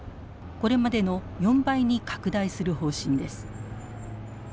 これまでの４倍に拡大する方針です。